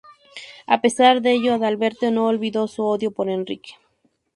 A pesar de ello, Adalberto no olvidó su odio por Enrique.